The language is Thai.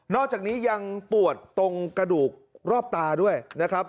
อกจากนี้ยังปวดตรงกระดูกรอบตาด้วยนะครับ